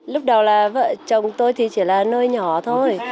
lúc đầu là vợ chồng tôi thì chỉ là nơi nhỏ thôi